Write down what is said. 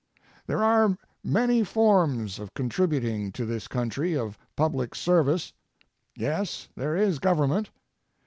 There are many forms of contributing to this country, of public service. Yes, there is government.